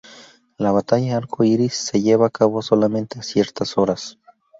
La Batalla Arco Iris se lleva a cabo solamente a ciertas horas.